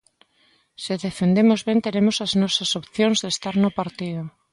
Se defendemos ben teremos as nosas opcións de estar no partido.